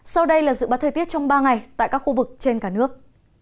sau đây là dự bá thời tiết trong ba ngày tại các khu vực trên cả nước